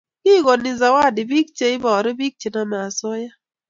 kikoni zawadi piik che ineparu piik che namei asoya